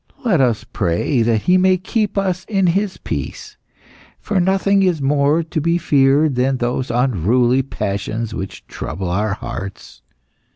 Let us pray that He may keep us in His peace. For nothing is more to be feared than those unruly passions which trouble our hearts.